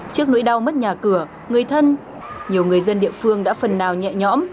trước nỗi đau mất nhà cửa người thân nhiều người dân địa phương đã phần nào nhẹ nhõm